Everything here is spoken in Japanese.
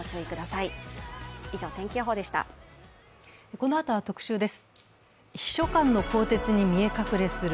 このあとは特集です。